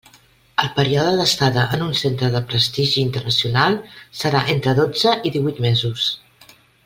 El període d'estada en un centre de prestigi internacional serà entre dotze i díhuit mesos.